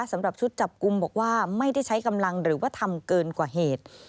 สำหรับชุดจับกลุ่มบอกว่าไม่ได้ใช้กำลังหรือว่าทำเกินกว่าเหตุ